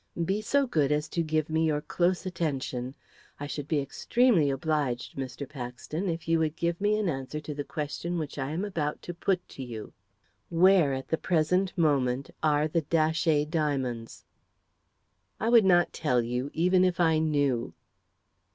Be so good as to give me your close attention. I should be extremely obliged, Mr. Paxton, if you would give me an answer to the question which I am about to put to you. Where, at the present moment, are the Datchet diamonds?" "I would not tell you even if I knew."